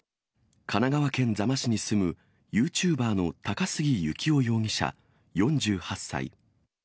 神奈川県座間市に住むユーチューバーの高杉幸男容疑者４８歳。